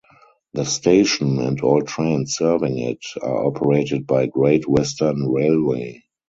The station, and all trains serving it, are operated by Great Western Railway.